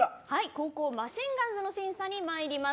後攻、マシンガンズの審査にまいります。